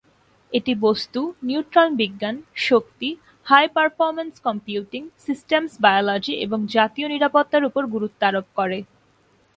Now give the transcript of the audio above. এটি বস্তু, নিউট্রন বিজ্ঞান, শক্তি, হাই-পারফরম্যান্স কম্পিউটিং, সিস্টেমস বায়োলজি এবং জাতীয় নিরাপত্তার উপর গুরুত্বারোপ করে।